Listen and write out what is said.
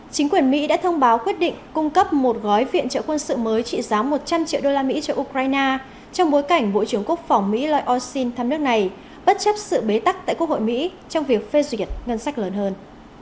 chính quyền mỹ đã thông báo quyết định cung cấp một gói viện trợ quân sự mới trị giá một trăm linh triệu đô la mỹ cho ukraine trong bối cảnh bộ trưởng quốc phòng mỹ lloyd austin thăm nước này bất chấp sự bế tắc tại quốc hội mỹ trong việc phê duyệt ngân sách lớn hơn